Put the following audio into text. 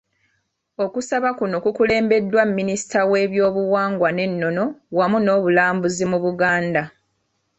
Okusaba kuno kukoleddwa Minisita w'ebyobuwangwa n'ennono awamu n'obulambuzi mu Buganda.